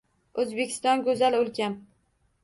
O‘zbekiston go‘zal o‘lkam